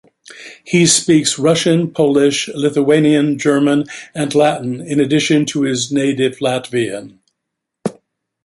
He speaks Russian, Polish, Lithuanian, German and Latin in addition to his native Latvian.